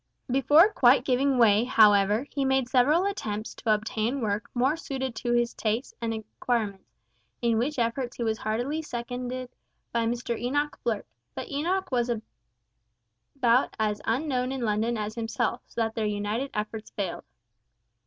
Before quite giving way, however, he made several attempts to obtain work more suited to his tastes and acquirements, in which efforts he was heartily seconded by Mr Enoch Blurt; but Enoch was about as unknown in London as himself, so that their united efforts failed.